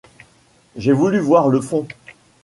J’ai voulu voir le fond.